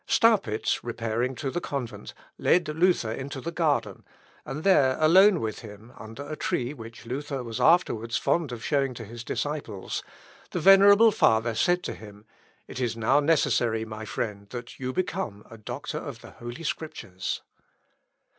Staupitz repairing to the convent, led Luther into the garden, and there alone with him, under a tree which Luther was afterwards fond of showing to his disciples, the venerable father said to him " It is now necessary, my friend, that you become a doctor of the Holy Scriptures."